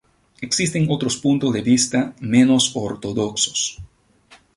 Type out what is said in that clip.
Existen otros puntos de vista menos ortodoxos.